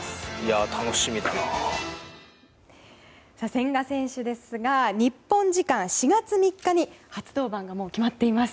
千賀選手ですが日本時間４月３日に初登板が決まっています。